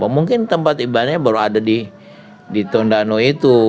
mungkin tempat ibadahnya baru ada di tondano itu